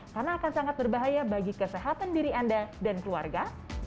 karena akan sangat berbahaya bagi kesehatan diri anda dan keluarga